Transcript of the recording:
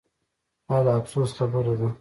دا د افسوس خبره ده